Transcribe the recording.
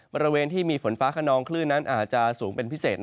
บริเวณที่มีฝนฟ้าขนองคลื่นนั้นอาจจะสูงเป็นพิเศษ